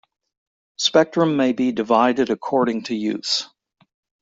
Spectrum may be divided according to use.